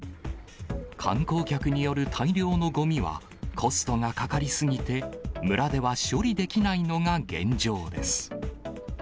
観光客による大量のごみは、コストがかかり過ぎて、村では処理できないのが現状です。